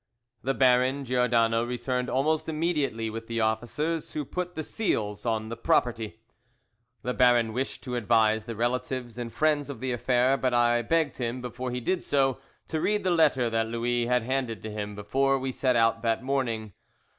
The Baron Giordano returned almost immediately with the officers, who put the seals on the property. The Baron wished to advise the relatives and friends of the affair, but I begged him, before he did so, to read the letter that Louis had handed to him before we set out that morning.